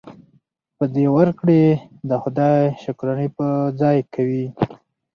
په دې ورکړې د خدای شکرانې په ځای کوي.